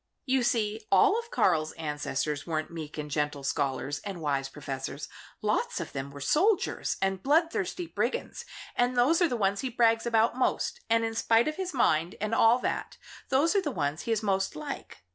You see, all of Karl's ancestors weren't meek and gentle scholars and wise professors. Lots of them were soldiers and bloodthirsty brigands, and those are the ones he brags about most and in spite of his mind, and all that, those are the ones he is most like.